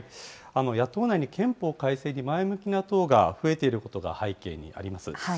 野党内に憲法改正に前向きな党が増えていることが背景にあります。